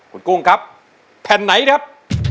คุณกุ้งครับแผ่นไหนครับ